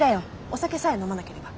お酒さえ飲まなければ。